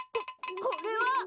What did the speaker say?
ここれは！